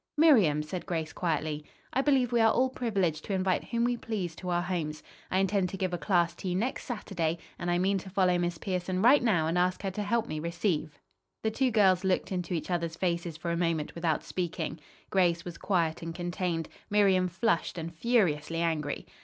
"Miriam," said Grace quietly, "I believe we are all privileged to invite whom we please to our homes. I intend to give a class tea next Saturday, and I mean to follow Miss Pierson right now and ask her to help me receive." The two girls looked into each other's faces for a moment without speaking. Grace was quiet and contained, Miriam flushed and furiously angry.